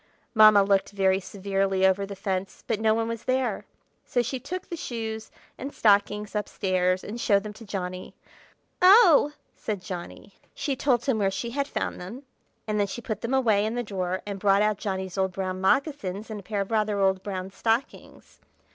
Mamma looked very severely over the fence, but no one was there; so she took the shoes and stockings up stairs and showed them to Johnny. "Oh!" said Johnny. She told him where she had found them; and then she put them away in the drawer, and brought out Johnny's old brown moccasins and a pair of rather old brown stockings.